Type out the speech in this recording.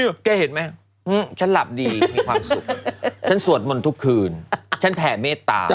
ไอ้ตุ๊กลวงตาแล้วแกเห็นไหมฉันหลับดีมีความสุขฉันสวนหมนทุกคืนฉันแผ่เมตตา